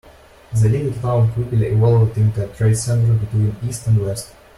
The little town quickly evolved into a trade center between east and west.